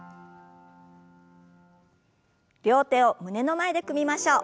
両手を胸の前で組みましょう。